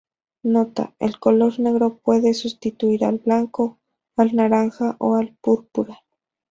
Nota: el color negro puede sustituir al blanco, al naranja o al púrpura.